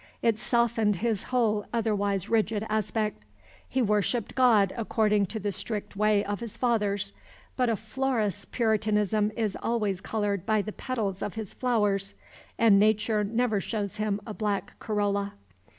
It softened his whole otherwise rigid aspect. He worshipped God according to the strict way of his fathers; but a florist's Puritanism is always colored by the petals of his flowers, and Nature never shows him a black corolla.